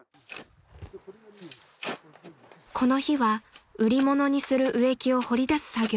［この日は売り物にする植木を掘り出す作業］